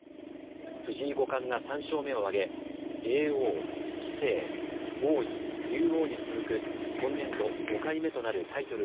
藤井５冠が３勝目を挙げ叡王、棋聖、王位、竜王に続く今年度５回目となるタイトル